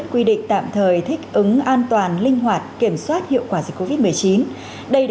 kịp thời thích ứng an toàn linh hoạt kiểm soát hiệu quả dịch covid một mươi chín